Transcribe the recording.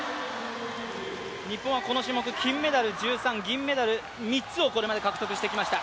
日本はこの種目、金メダル１３銀メダル３つをこれまで獲得してきました。